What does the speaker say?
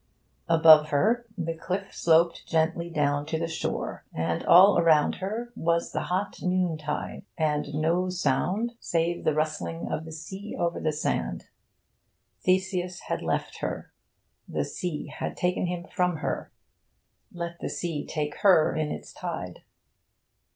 Above her the cliff sloped gently down to the shore, and all around her was the hot noontide, and no sound save the rustling of the sea over the sand. Theseus had left her. The sea had taken him from her. Let the sea take her in its tide....